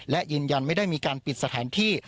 และยืนยันไม่ได้มีการปิดสถานที่